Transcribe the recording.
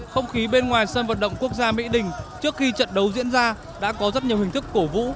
không khí bên ngoài sân vận động quốc gia mỹ đình trước khi trận đấu diễn ra đã có rất nhiều hình thức cổ vũ